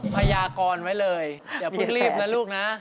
พญากรไว้เลยเดี๋ยวพึ่งรีบนะลูกนะ